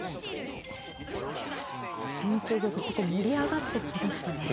先手玉結構盛り上がってきましたね。